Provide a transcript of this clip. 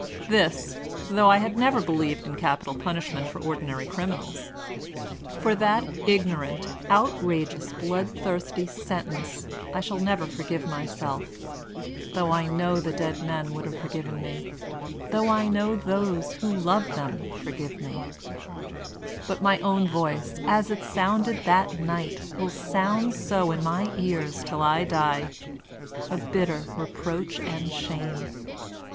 "— This, though I had never believed in capital punishment for ordinary crim inals. For that ignorant, outrageous, blood thirsty sen tence I shall never forgive myself, though I know the ^Delivered on November ii, 190I1 tn Chicago. The Eleventh op November, 1887 165 dead men would have forgiven me, though I know those who loved them forgive me. But my own voice, as it sounded that night, will sound so in my ears till I die, — a bitter reproach and shame.